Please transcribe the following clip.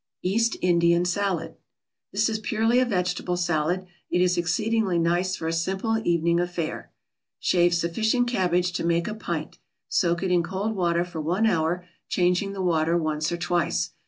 EAST INDIAN SALAD This is purely a vegetable salad; it is exceedingly nice for a simple evening affair. Shave sufficient cabbage to make a pint, soak it in cold water for one hour, changing the water once or twice.